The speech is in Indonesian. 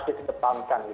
menghasil di depankan